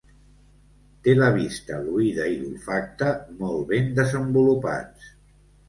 Té la vista, l'oïda i l'olfacte molt ben desenvolupats.